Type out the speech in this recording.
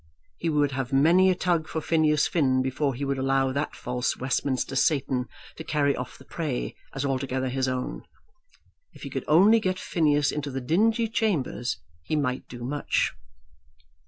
He would have many a tug for Phineas Finn before he would allow that false Westminster Satan to carry off the prey as altogether his own. If he could only get Phineas into the dingy chambers he might do much!